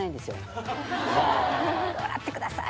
「笑ってください！